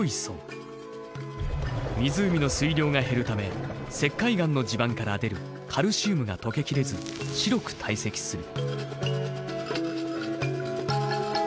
湖の水量が減るため石灰岩の地盤から出るカルシウムが溶けきれず白く堆積する。